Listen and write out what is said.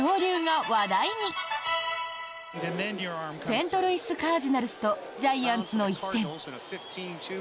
セントルイス・カージナルスとジャイアンツの一戦。